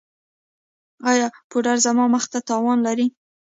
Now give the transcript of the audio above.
ایا پوډر زما مخ ته تاوان لري؟